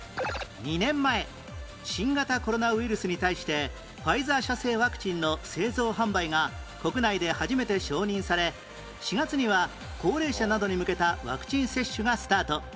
２年前新型コロナウイルスに対してファイザー社製ワクチンの製造販売が国内で初めて承認され４月には高齢者などに向けたワクチン接種がスタート